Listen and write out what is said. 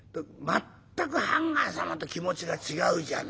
全く判官様と気持ちが違うじゃないか。